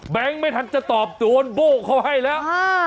แบงก์ไม่ทันจะตอบแต่โอนโบ๊กเขาให้แล้ว